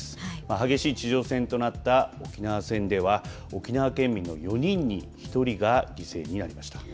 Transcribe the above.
激しい地上戦となった沖縄戦では沖縄県民の４人に１人が犠牲になりました。